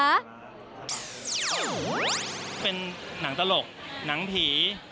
เป็นหนังตลกหนังผี